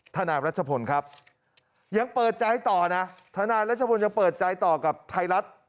นายรัชพลครับยังเปิดใจต่อนะทนายรัชพลยังเปิดใจต่อกับไทยรัฐ